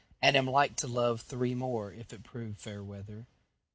And am like to love three more, If it prove fair weather.